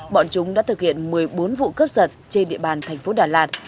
bọn chúng đã thực hiện một mươi bốn vụ cướp giật trên địa bàn thành phố đà lạt